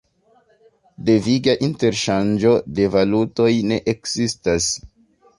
Deviga interŝanĝo de valutoj ne ekzistas.